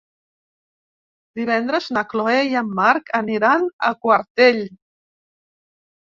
Divendres na Chloé i en Marc aniran a Quartell.